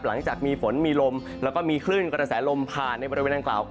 หลังจากมีฝนมีลมแล้วก็มีคลื่นกระแสลมผ่านในบริเวณดังกล่าว